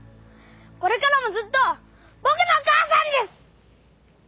これからもずっと僕のお母さんです！